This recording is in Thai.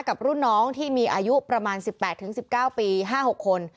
กับรุ่นน้องที่มีอายุประมาณ๑๘๑๙ปี๕๖คน